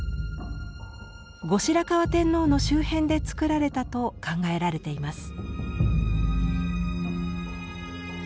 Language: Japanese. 後白河天皇の周辺で作られたと考えられています。